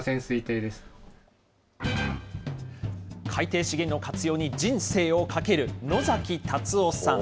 海底資源の活用に人生を懸ける、野崎達生さん。